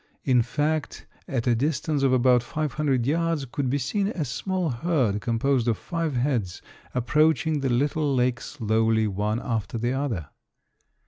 In fact, at a distance of about five hundred yards could be seen a small herd composed of five heads, approaching the little lake slowly one after the other.